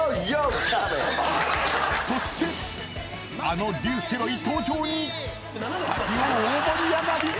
そしてあのリュウ・セロイ登場にスタジオ大盛り上がり！